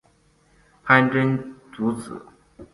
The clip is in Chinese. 潘珍族子。